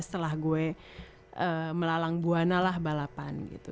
setelah gue melalang buana lah balapan gitu